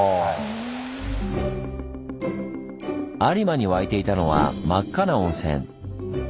有馬に湧いていたのは真っ赤な温泉。